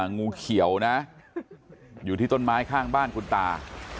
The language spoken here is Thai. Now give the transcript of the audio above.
งูเขียวนะอยู่ที่ต้นไม้ข้างบ้านคุณตา